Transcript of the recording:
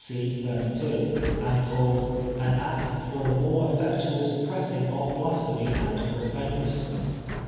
c. 32, and called " An Act for the more effectual suppressing of Blasphemy and Profaneness.